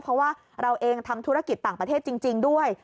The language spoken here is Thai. เพราะว่าเราเองทำธุรกิจต่างประเทศจริงด้วย